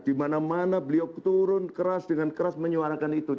dimana mana beliau turun keras dengan keras menyuarakan itu